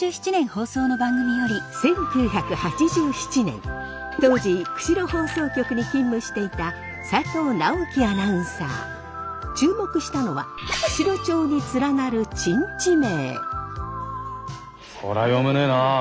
１９８７年当時釧路放送局に勤務していた注目したのは釧路町に連なる珍地名。